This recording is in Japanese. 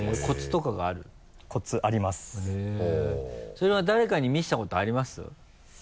それは誰かに見せたことあります？